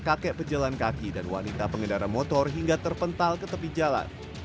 kakek pejalan kaki dan wanita pengendara motor hingga terpental ke tepi jalan